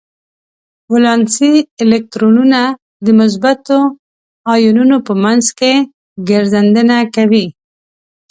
ولانسي الکترونونه د مثبتو ایونونو په منځ کې ګرځننده دي.